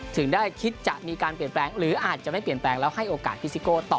ถึงได้คิดจะมีการเปลี่ยนแปลงหรืออาจจะไม่เปลี่ยนแปลงแล้วให้โอกาสพี่ซิโก้ต่อ